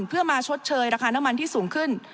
เพื่อมาชดเชยราคาน้ำมันที่สูงขึ้น